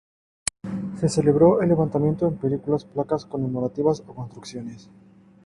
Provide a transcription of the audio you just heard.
Se celebró el levantamiento en películas, placas conmemorativas o construcciones.